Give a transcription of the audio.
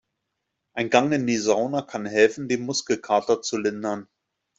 Ein Gang in die Sauna kann helfen, den Muskelkater zu lindern.